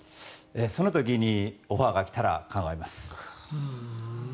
その時にオファーが来たら考えます。